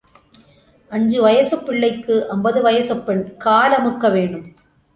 அஞ்சு வயசுப் பிள்ளைக்கு அம்பது வயசுப் பெண் காலமுக்க வேணும்.